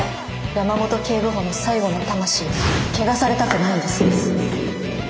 山本警部補の最後の魂を汚されたくないんです。